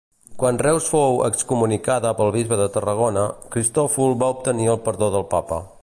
Quan Reus fou excomunicada pel bisbe de Tarragona, Cristòfol va obtenir el perdó del Papa.